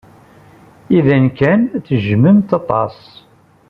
Iban kan tejjmem-t aṭas.